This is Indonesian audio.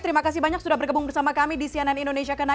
terima kasih banyak sudah bergabung bersama kami di cnn indonesia connecte